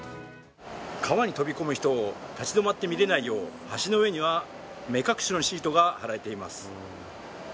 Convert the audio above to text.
川に飛び込む人を立ち止まって見れないよう橋の上には目隠しのシートが張られています。